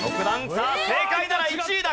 さあ正解なら１位だ！